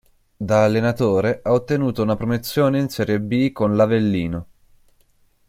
Da allenatore, ha ottenuto una promozione in Serie B con l'Avellino.